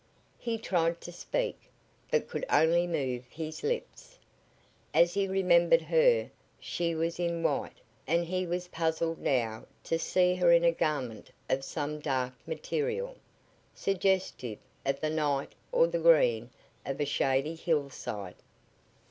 He tried to speak, but could only move his lips. As he remembered her, she was in white, and he was puzzled now to see her in a garment of some dark material, suggestive of the night or the green of a shady hillside.